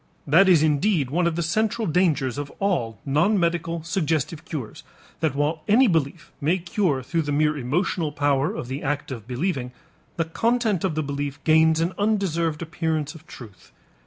That is indeed one of the central dangers of all non medical suggestive cures, that while any belief may cure through the mere emotional power of the act of believing, the content of the belief gains an undeserved appearance of truth.